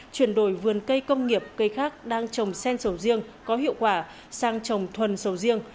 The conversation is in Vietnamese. chuyển đổi vườn cây công nghiệp cây khác đang trồng sen sầu riêng có hiệu quả sang trồng thuần sầu riêng